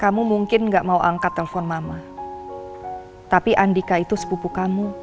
kamu mungkin gak mau angkat telpon mama tapi andika itu sepupu kamu